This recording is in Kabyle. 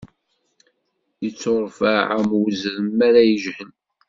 Ittuṛfeɛ am uzrem mi ara yejhel.